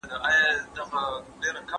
ایا په سفر کي د اوبو له ځان سره ساتل ښه دي؟